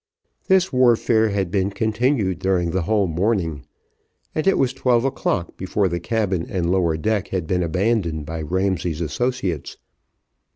This warfare had been continued during the whole morning, and it was twelve o'clock before the cabin and lower deck had been abandoned by Ramsay's associates.